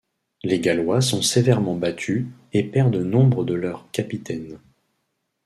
Les Gallois sont sévèrement battus et perdent nombre de leurs capitaines.